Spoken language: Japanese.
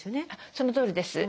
そのとおりです。